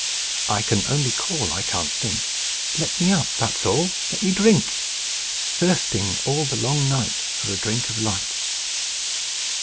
"I can only call; I can't think. Let me up that's all. Let me drink! Thirsting all the long night For a drink of light."